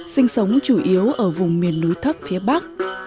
sinh sống chủ yếu ở vùng miền núi thấp phía bắc